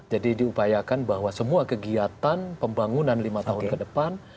jadi diupayakan bahwa semua kegiatan pembangunan lima tahun ke depan